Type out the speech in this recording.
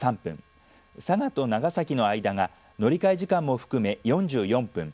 佐賀と長崎の間が乗り換え時間も含め４４分。